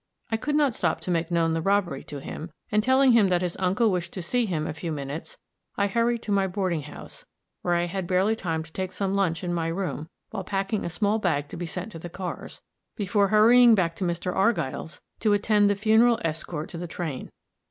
I could not stop to make known the robbery to him, and telling him that his uncle wished to see him a few minutes, I hurried to my boarding house, where I had barely time to take some lunch in my room, while packing a small bag to be sent to the cars, before hurrying back to Mr. Argyll's to attend the funeral escort to the train.